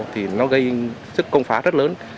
thì nó gây sức công phá rất lớn